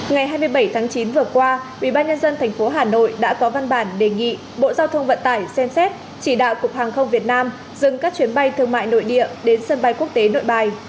ngày hai mươi bảy tháng chín vừa qua ubnd tp hà nội đã có văn bản đề nghị bộ giao thông vận tải xem xét chỉ đạo cục hàng không việt nam dừng các chuyến bay thương mại nội địa đến sân bay quốc tế nội bài